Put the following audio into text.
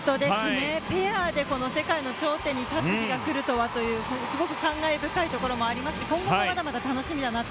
ペアでこの世界の頂点に立つ日が来るとはというすごく感慨深いところもありますし今後もまだまだ楽しみだなと。